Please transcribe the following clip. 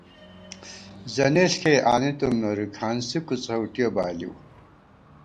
زنېݪ کېئی آنِی تُوم نوری ، کھانڅی کُوسَؤٹِیَہ بالِؤ